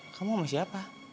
kamu sama siapa